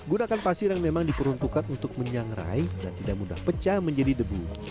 gunakan pasir yang memang diperuntukkan untuk menyangrai dan tidak mudah pecah menjadi debu